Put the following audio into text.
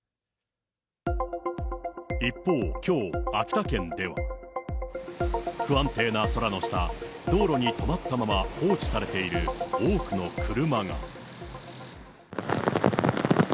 一方、きょう、秋田県では。不安定な空の下、道路に止まったまま放置されている多くの車が。